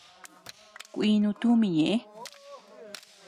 Kuinu tumi ñeʼe.